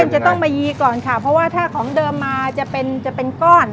จะต้องมายีก่อนค่ะเพราะว่าถ้าของเดิมมาจะเป็นจะเป็นก้อน